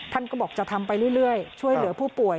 ท่านก็บอกจะทำไปเรื่อยช่วยเหลือผู้ป่วย